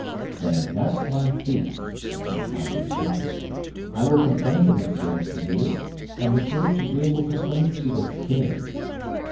"Then that's my thief," replied D'Artagnan. "I will complain to Monsieur de Tréville, and Monsieur de Tréville will complain to the king."